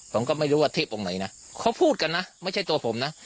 ผมก็ไม่รู้ว่าเทพองค์ไหนนะเขาพูดกันนะไม่ใช่ตัวผมนะ